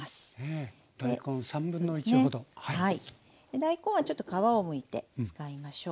大根はちょっと皮をむいて使いましょう。